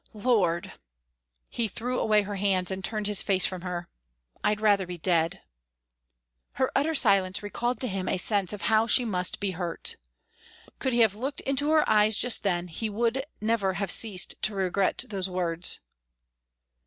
Lord" he threw away her hands and turned his face from her "I'd rather be dead!" Her utter silence recalled him to a sense of how she must be hurt. Could he have looked into her eyes just then he would never have ceased to regret those words.